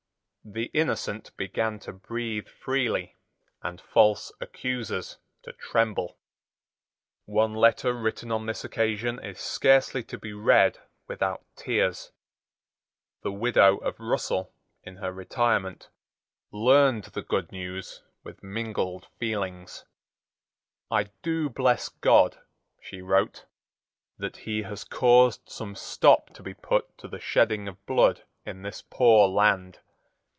The innocent began to breathe freely, and false accusers to tremble. One letter written on this occasion is scarcely to be read without tears. The widow of Russell, in her retirement, learned the good news with mingled feelings. "I do bless God," she wrote, "that he has caused some stop to be put to the shedding of blood in this poor land.